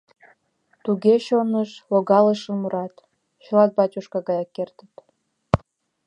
Туге чоныш логалшын мурат, чылт батюшка гаяк кертыт...